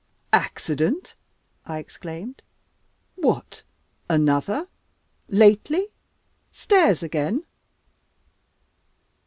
"Accident!" I exclaimed. "What, another? Lately? Stairs again?"